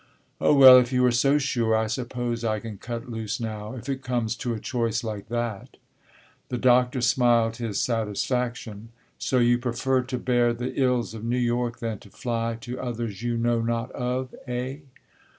"Oh, well, if you are so sure, I suppose I can cut loose now, if it comes to a choice like that." The doctor smiled his satisfaction. "So you prefer to bear the ills of New York than to fly to others you know not of, eh?"